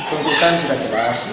kuntukan sudah jelas